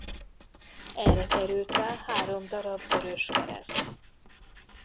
Erre került rá három darab vörös kereszt.